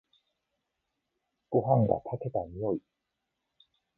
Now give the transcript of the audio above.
ごはんが炊けた匂い。